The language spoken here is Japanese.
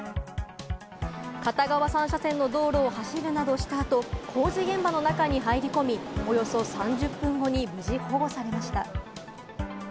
片側３車線の道路を走るなどしたあと、工事現場の中に入り込み、およそ３０分後に無事保護されました。